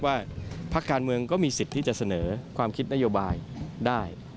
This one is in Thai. พักการเมืองก็มีสิทธิ์ที่จะเสนอความคิดนโยบายได้